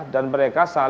dan mereka saling melakukan